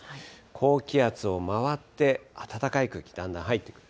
高気圧を回って、暖かい空気、だんだん入ってくる。